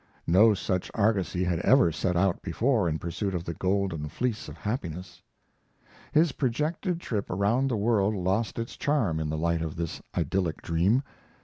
No such argosy had ever set out before in pursuit of the golden fleece of happiness. His projected trip around the world lost its charm in the light of this idyllic dream.